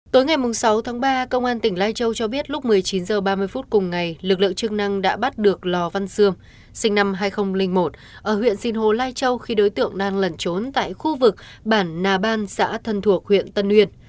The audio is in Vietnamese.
tối ngày sáu tháng ba công an tỉnh lai châu cho biết lúc một mươi chín h ba mươi phút cùng ngày lực lượng chức năng đã bắt được lò văn xương sinh năm hai nghìn một ở huyện sinh hồ lai châu khi đối tượng đang lẩn trốn tại khu vực bản nà ban xã thân thuộc huyện tân uyên